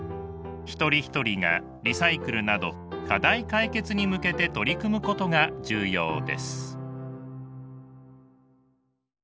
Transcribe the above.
一人一人がリサイクルなど課題解決に向けて取り組むことが重要です。